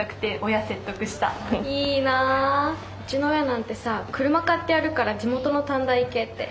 うちの親なんてさ車買ってやるから地元の短大行けって。